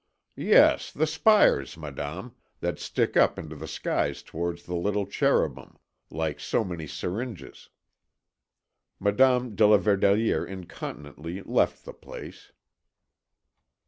"Yes, the spires, Madame, that stick up into the skies towards the little Cherubim, like so many syringes." Madame de la Verdelière incontinently left the place.